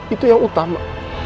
itu yang utama